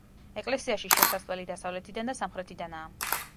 ეკლესიაში შესასვლელი დასავლეთიდან და სამხრეთიდანაა.